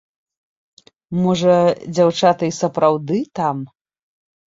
Можа, дзяўчаты і сапраўды там.